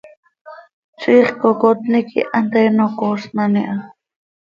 Ziix cöcocotni quih hanteeno coosnan iha.